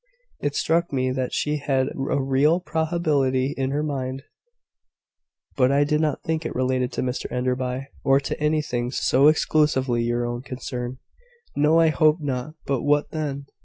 "It struck me that she had a real probability in her mind; but I did not think it related to Mr Enderby, or to anything so exclusively your own concern." "No; I hope not: but what then?"